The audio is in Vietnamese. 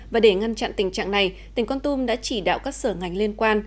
và để ngăn chặn tình trạng này tỉnh con tum đã chỉ đạo các sở ngành liên quan